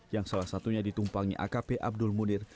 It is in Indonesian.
yang salah satunya ditumpangi akp abdul munir